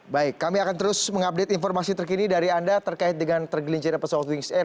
baik kami akan terus mengupdate informasi terkini dari anda terkait dengan tergelincirnya pesawat wings air